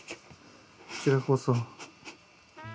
こちらこそ。